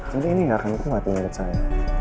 jadi ini gak akan mengukuh mati menurut saya